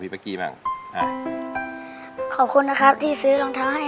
พี่สนับสนุกกีฬา